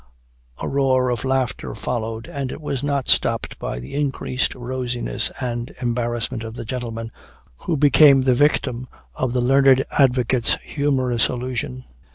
A roar of laughter followed, and it was not stopped by the increased rosiness and embarrassment of the gentleman who became the victim of the learned advocate's humorous allusion.